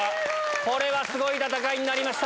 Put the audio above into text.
これはすごい戦いになりました。